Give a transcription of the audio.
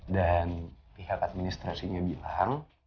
dan pihak administrasinya bilang